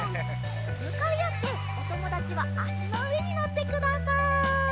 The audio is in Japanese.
むかいあっておともだちはあしのうえにのってください。